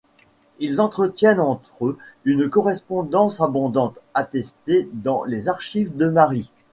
Ils entretiennent entre eux une correspondance abondante, attestée dans les archives de Mari.